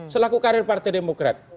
selaku karir partai demokrat